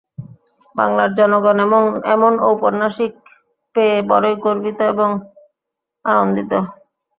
বাংলার জনগণ এমন ঔপন্যাসিক পেয়ে বড়ই গর্বিত এবং আনন্দিত।